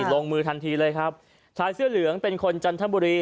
ลงมือทันทีเลยครับชายเสื้อเหลืองเป็นคนจันทบุรี